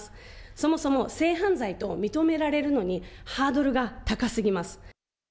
そもそも性犯罪と認められるのに、ハードルが高すぎます。